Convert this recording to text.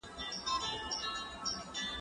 دا سیر له هغه ښه دی؟